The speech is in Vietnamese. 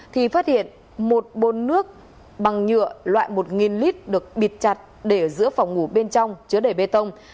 thì phát hiện một bồn nước bằng nhựa loại một lit được bịt chặt để ở giữa phòng ngủ bên trong chứa đẩy bê tông